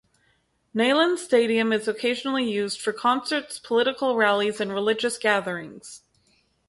Neyland Stadium is occasionally used for concerts, political rallies, and religious gatherings.